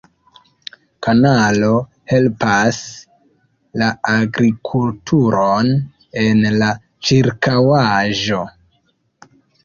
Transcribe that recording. Kanalo helpas la agrikulturon en la ĉirkaŭaĵo.